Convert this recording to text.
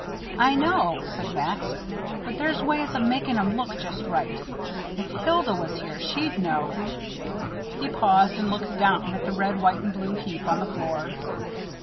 "I know," said Max, "but there's ways of making 'em look just right if Hilda was here, she'd know " He paused and looked down at the red, white, and blue heap on the floor.